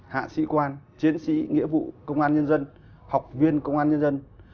hạ sĩ quan chiến sĩ nghĩa vụ công an nhân dân học viên công an nhân dân